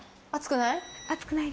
熱くない？